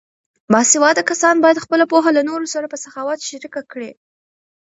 باسواده کسان باید خپله پوهه له نورو سره په سخاوت شریکه کړي.